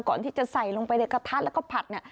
ก่อนที่จะใส่ลงไปในกระทัดแล้วก็ผัด